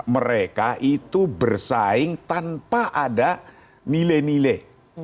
mereka itu bersaing tanpa ada nilai nilai